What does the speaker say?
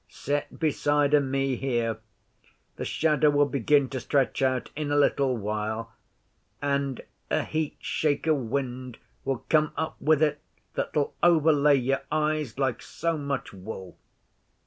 'Set beside o' me here. The shadow'll begin to stretch out in a little while, and a heat shake o' wind will come up with it that'll overlay your eyes like so much wool.